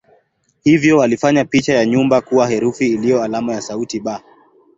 Hivyo walifanya picha ya nyumba kuwa herufi iliyo alama ya sauti "b".